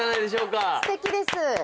すてきです。